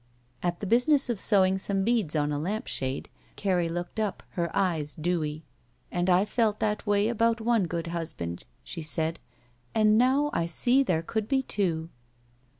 At the business of sewing some beads on a lamp shade Carrie looked up, her eyes dewy. "And I felt that way about one good husband/' she said, "and now I see there could be two."